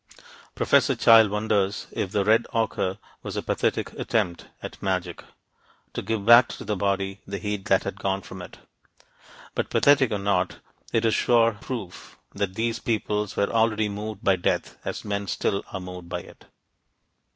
Professor Childe wonders if the red ochre was a pathetic attempt at magic to give back to the body the heat that had gone from it. But pathetic or not, it is sure proof that these people were already moved by death as men still are moved by it.